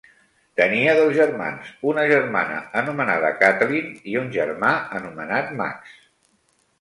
Tenia dos germans, una germana anomenada Kathleen i un germà anomenat Max.